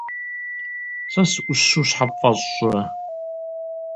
Сэ сыӀущу щхьэ пфӀэщӀрэ?